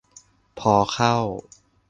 พอเข้า